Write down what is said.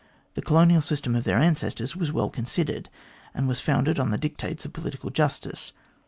The colonial system of their ancestors was well considered, and was founded on the dictates of political justice.